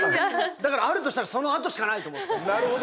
だから、あるとしたらそのあとしかないと思って。